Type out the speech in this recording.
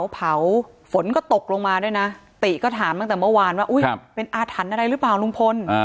เผาฝนก็ตกลงมาด้วยนะติก็ถามตั้งแต่เมื่อวานว่าเป็นอาถรรพ์อะไรหรือเปล่าลุงพล